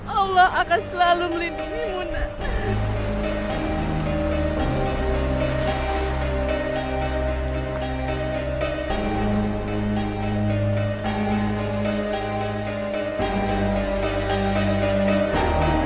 allah akan selalu melindungimu nanti